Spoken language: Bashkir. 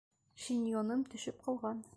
Шиньоным төшөп ҡалған.